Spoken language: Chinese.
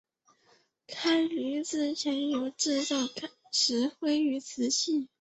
开埠以前有制造石灰与瓷器。